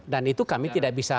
dan itu kami tidak bisa